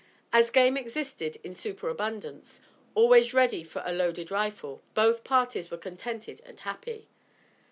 As game existed in superabundance, always ready for a loaded rifle, both parties were contented and happy.